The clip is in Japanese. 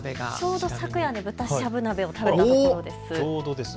きょうは豚しゃぶ鍋を食べたところです。